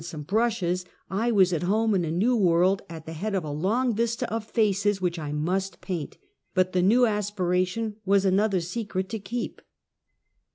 some brushes, I was at home in a new world, at the head of a long vista of faces which I must paint; but the new aspiration was another secret to keep.